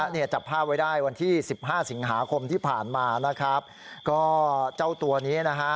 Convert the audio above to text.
เนี่ยจับภาพไว้ได้วันที่สิบห้าสิงหาคมที่ผ่านมานะครับก็เจ้าตัวนี้นะฮะ